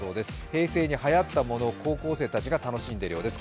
平成にはやったもの、高校生たちが楽しんでいるようです。